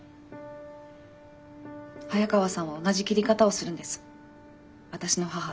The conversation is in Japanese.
早川さんは同じ切り方をするんです私の母と。